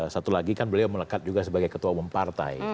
satu lagi kan beliau melekat juga sebagai ketua umum partai